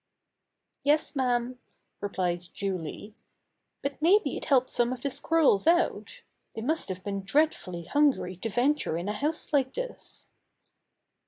"Yes, ma'am," replied Julie, "but maybe it helped some of the squirrels out. They must have been dreadfully hungry to venture in a house like this."